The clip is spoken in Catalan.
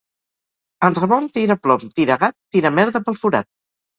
En Ramon tira plom, tira gat, tira merda, pel forat.